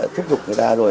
thúc giục người ta rồi